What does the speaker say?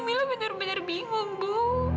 mila benar benar bingung bu